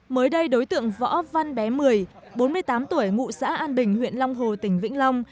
mới đây đối tượng võ văn bé một mươi bốn mươi tám tuổi ngụ xã an bình huyện long hồ tỉnh vĩnh long